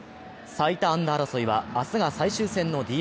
最多安打争いは明日が最終戦のＤｅＮＡ。